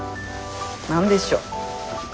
何でしょう。